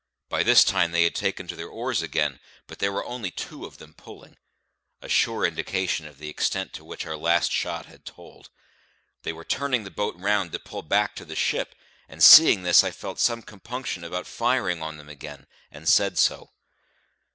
By this time they had taken to their oars again, but there were only two of them pulling: a sure indication of the extent to which our last shot had told. They were turning the boat round to pull back to the ship, and seeing this I felt some compunction about firing on them again, and said so.